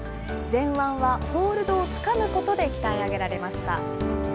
前腕はホールドをつかむことで鍛え上げられました。